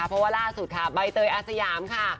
เพราะว่าล่าสุดค่ะใบเตยอาสยามค่ะ